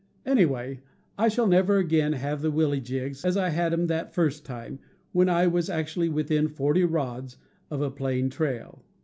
Anyway, I shall never again have the willyjigs as I had 'em that first time, when I was actually within forty rods of a plain trail.